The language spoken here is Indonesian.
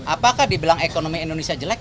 apakah dibilang ekonomi indonesia jelek